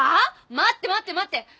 待って待って待って！